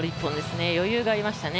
余裕がありましたね。